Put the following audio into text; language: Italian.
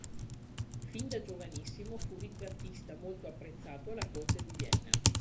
Fin da giovanissimo fu ritrattista molto apprezzato alla corte di Vienna.